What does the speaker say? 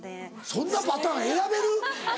そんなパターン選べる？